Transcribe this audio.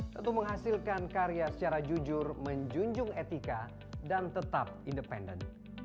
tentu menghasilkan karya secara jujur menjunjung etika dan tetap independen